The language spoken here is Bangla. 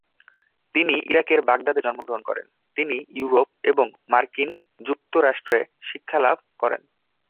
তিনি ইরাকের বাগদাদে জন্মগ্রহণ করেন। তিনি ইউরোপ এবং মার্কিন যুক্তরাষ্ট্রে শিক্ষা লাভ করেন।